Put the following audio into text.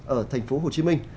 ở thành phố hồ chí minh